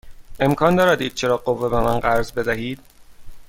امکان دارد یک چراغ قوه به من قرض بدهید؟